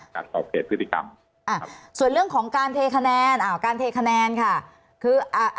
ค่ะส่วนเรื่องของการเทคะแนนอ่าวการเทคะแนนค่ะคืออ่า